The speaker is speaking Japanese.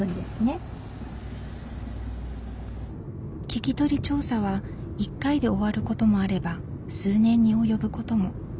聞き取り調査は１回で終わることもあれば数年に及ぶことも。